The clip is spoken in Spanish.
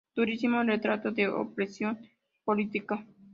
Durísimo retrato de la opresión política.